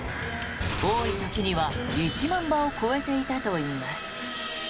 多い時には１万羽を超えていたといいます。